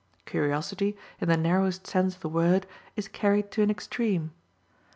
Curiosity, in the narrowest sense of the word, is carried to an extreme.